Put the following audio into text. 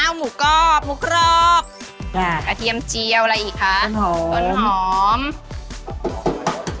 อ้าวหมูกรอบหมูกรอบจ้ะกระเทียมเจียวอะไรอีกค่ะต้นหอมต้นหอม